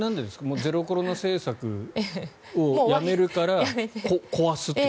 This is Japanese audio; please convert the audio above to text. ゼロコロナ政策をやめるから壊すということ？